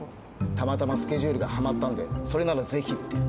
たまたまスケジュールがはまったんでそれならぜひって。